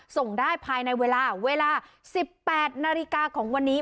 ส่งได้ภายในเวลาเวลา๑๘นาฬิกาของวันนี้